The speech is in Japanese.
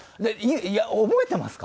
覚えてますか？